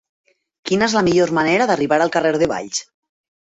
Quina és la millor manera d'arribar al carrer de Valls?